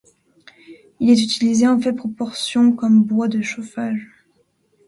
Il est utilisé en faible proportion comme bois de chauffage.